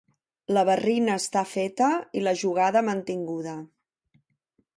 La barrina està feta i la jugada mantinguda.